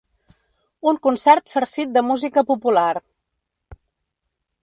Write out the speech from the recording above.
Un concert farcit de música popular.